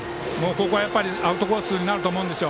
ここはやっぱりアウトコースになると思うんですよ。